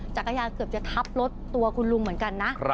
จักรยานเกือบจะทับรถตัวคุณลุงเหมือนกันนะ